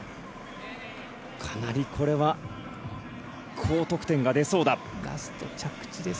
かなり、これは高得点が出そうだ。